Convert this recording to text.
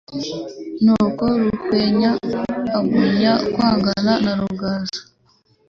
Nuko Ruhwenya agumya kwangana na Rugaju,